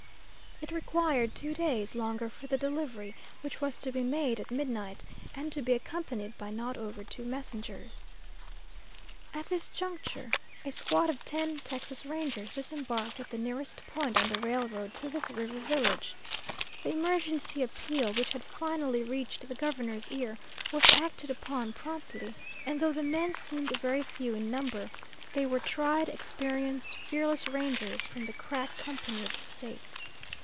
It required two days longer for the delivery, which was to be made at midnight, and to be accompanied by not over two messengers. At this juncture, a squad of ten Texas Rangers disembarked at the nearest point on the railroad to this river village. The emergency appeal, which had finally reached the governor's ear, was acted upon promptly, and though the men seemed very few in number, they were tried, experienced, fearless Rangers, from the crack company of the State.